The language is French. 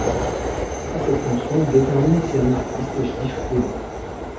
À cette fonction, il détermine si un artiste est juif ou non.